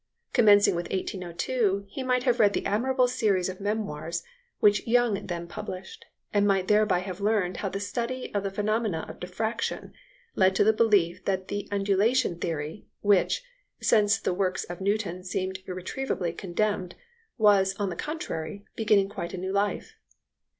Commencing with 1802, he might have read the admirable series of memoirs which Young then published, and might thereby have learned how the study of the phenomena of diffraction led to the belief that the undulation theory, which, since the works of Newton seemed irretrievably condemned, was, on the contrary, beginning quite a new life.